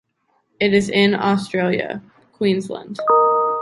It is in Australia: Queensland.